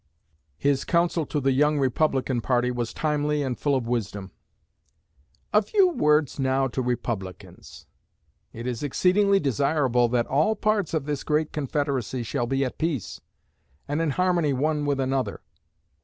His counsel to the young Republican party was timely and full of wisdom. A few words now to Republicans: It is exceedingly desirable that all parts of this great Confederacy shall be at peace, and in harmony one with another.